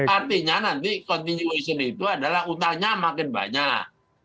artinya nanti continuation itu adalah utangnya makin banyak